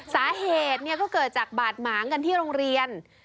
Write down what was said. สาเหตุก็เกิดจากบาดหมางกันที่โรงเรียน